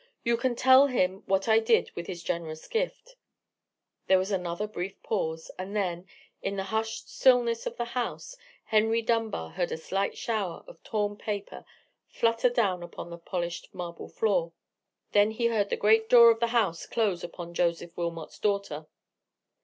You can tell him what I did with his generous gift." There was another brief pause; and then, in the hushed stillness of the house, Henry Dunbar heard a light shower of torn paper flutter down upon the polished marble floor. Then he heard the great door of the house close upon Joseph Wilmot's daughter.